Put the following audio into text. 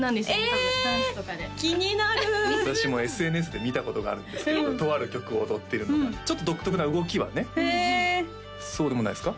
多分ダンスとかでえ気になる私もＳＮＳで見たことがあるんですけどとある曲を踊ってるのがちょっと独特な動きはねへえそうでもないですか？